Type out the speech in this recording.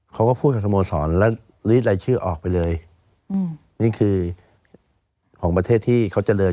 เขาก็พูดกับสโมสรแล้วรีดรายชื่อออกไปเลยอืมนี่คือของประเทศที่เขาเจริญ